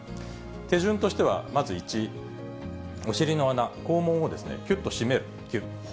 手順としてはまず１、お尻の穴、肛門をきゅっと締める、きゅっ。